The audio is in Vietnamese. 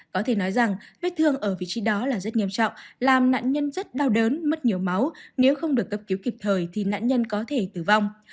có thể nói rằng vết thương ở vị trí đó là rất nghiêm trọng làm nạn nhân rất đau đớn mất nhiều máu nếu không được cấp cứu kịp thời thì nạn nhân có thể tử vong